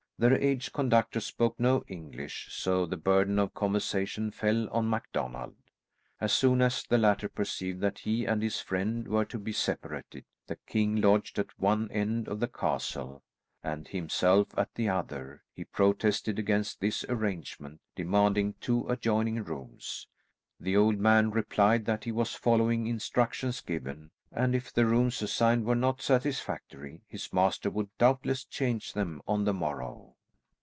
Their aged conductor spoke no English, so the burden of conversation fell on MacDonald. As soon as the latter perceived that he and his friend were to be separated, the king lodged at one end of the castle, and himself at the other, he protested against this arrangement, demanding two adjoining rooms. The old man replied that he was following instructions given, and if the rooms assigned were not satisfactory, his master would doubtless change them on the morrow.